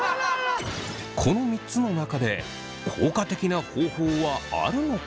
この３つの中で効果的な方法はあるのか？